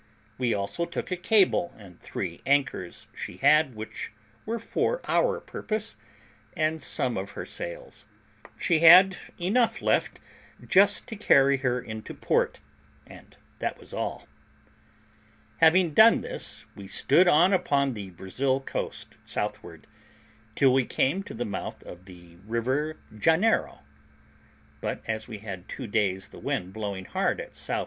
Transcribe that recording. We also took a cable and three anchors she had, which were for our purpose, and some of her sails. She had enough left just to carry her into port, and that was all. Having done this, we stood on upon the Brazil coast, southward, till we came to the mouth of the river Janeiro. But as we had two days the wind blowing hard at S.E.